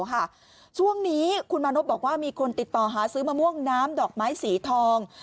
ช่วงนี้คุณมานพบอกว่ามีคนติดต่อหาซื้อมะม่วงน้ำดอกไม้สีทอง